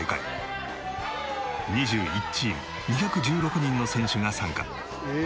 ２１チーム２１６人の選手が参加。